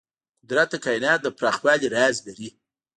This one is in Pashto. قدرت د کایناتو د پراخوالي راز لري.